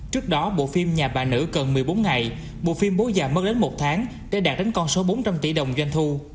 trước đó bộ phim nhà bà nữ cần một mươi bốn ngày bộ phim bố già mất đến một tháng để đạt đến con số bốn trăm linh tỷ đồng doanh thu